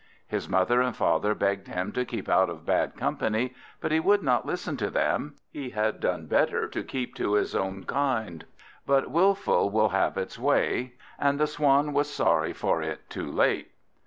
His mother and father begged him to keep out of bad company, but he would not listen to them. He had done better to keep to his own kind, but wilful will have his way, and the Swan was sorry for it too late.